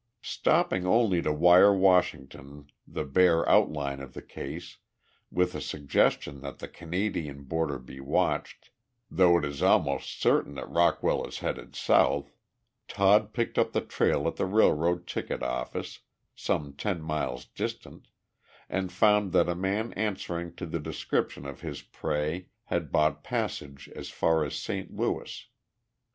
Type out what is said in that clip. Stopping only to wire Washington the bare outline of the case, with the suggestion that the Canadian border be watched, "though it is almost certain that Rockwell is headed south," Todd picked up the trail at the railroad ticket office, some ten miles distant, and found that a man answering to the description of his prey had bought passage as far as St. Louis.